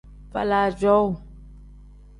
Faala cowuu.